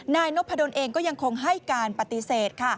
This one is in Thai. นายนพดลเองก็ยังคงให้การปฏิเสธ